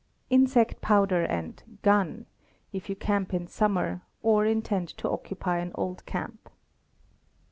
'Insect powder and "gun," if you camp in summer, or intend to occupy an old camp.